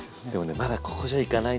まだここじゃいかないんですよ。